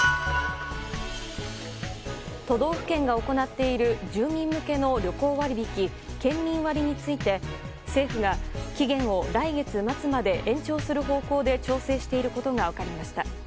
都道府県が行っている住民向けの旅行割引県民割について政府が期限を来月末まで延長する方向で調整していることが分かりました。